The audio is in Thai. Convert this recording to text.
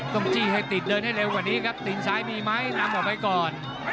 จี้ให้ติดเดินให้เร็วกว่านี้ครับตีนซ้ายมีไหมนำออกไปก่อน